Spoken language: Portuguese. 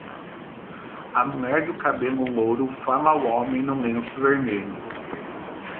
A mulher do cabelo louro fala ao homem no lenço vermelho.